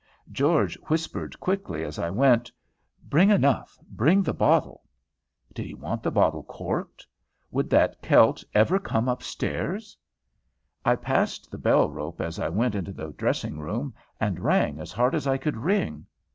George whispered quickly as I went, "Bring enough, bring the bottle." Did he want the bottle corked? Would that Kelt ever come up stairs? I passed the bell rope as I went into the dressing room, and rang as hard as I could ring.